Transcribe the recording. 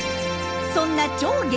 そんな超激